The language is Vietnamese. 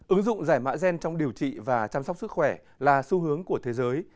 ứng dụng giải mã gen trong điều trị và chăm sóc sức khỏe là xu hướng của thế giới